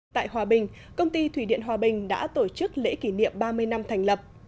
tại hòa bình công ty thủy điện hòa bình đã tổ chức lễ kỷ niệm ba mươi năm thành lập